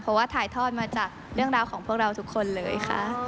เพราะว่าถ่ายทอดมาจากเรื่องราวของพวกเราทุกคนเลยค่ะ